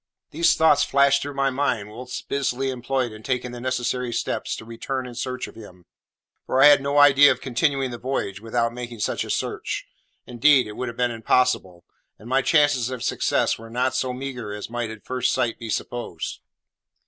These thoughts flashed through my mind whilst busily employed in taking the necessary steps to return in search of him, for I had no idea of continuing the voyage without making such a search; indeed, it would have been impossible. And my chances of success were not so meagre as might at first sight be supposed.